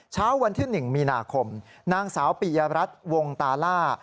เช้าวันที่๑มีนาคมนางสาวปิยรัฐวงตาล่า